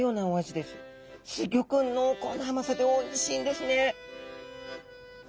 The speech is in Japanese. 濃厚な甘さでおいしいんですね。